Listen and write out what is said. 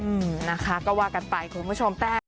อืมนะคะก็ว่ากันไปคุณผู้ชมแต่